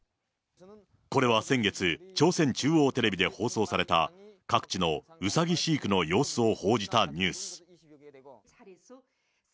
これは先月、朝鮮中央テレビで放送された、各地のうさぎ飼育の様子を報じたニュース。